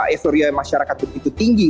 esorio masyarakat begitu tinggi